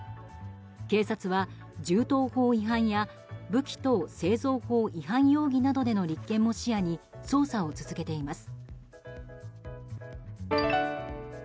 警察は銃刀法違反や武器等製造法違反容疑などでの立件も視野に捜査を続けています。